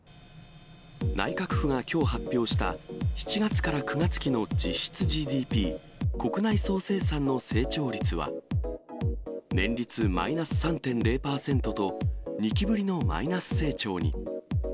内閣府がきょう発表した７月から９月期の実質ＧＤＰ・国内総生産の成長率は、年率マイナス３．０％と、２期ぶりのマイナス成長に。